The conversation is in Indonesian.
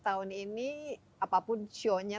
tahun ini apapun shownya